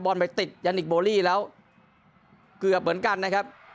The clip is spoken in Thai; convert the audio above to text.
ไปติดยันนิคโบลี่แล้วเกือบเหมือนกันนะครับ